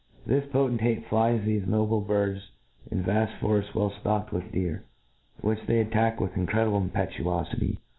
This potentate flies thefe noble birds in vaft fotefts well (locked with deer, which they attack lirith iftcrediblc impetuofity.